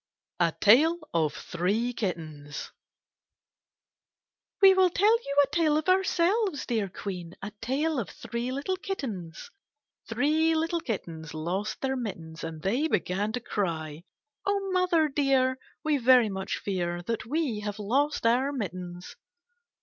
38 KITTEK8 AND CATS A TALE OF THREE KITTENS We will tell you a tale of ourselves, dear Queen. A tale of three little kittens. * Three little Kittens lost their mittens, And they began to cry, " O mother dear. We very much fear That we have lost our mittens."